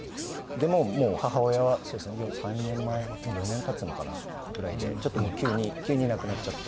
でももう母親はそうですね３年前もう４年経つのかな？ぐらいでちょっともう急に亡くなっちゃって。